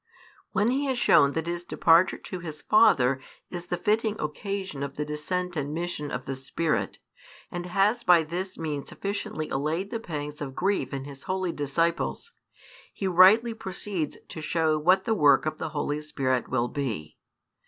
When He has shown that His departure to His Father is the fitting occasion of the descent and mission of the Spirit, and has by this means sufficiently allayed the pangs of grief in His holy disciples, He rightly proceeds to show what the work of the Holy Spirit will be.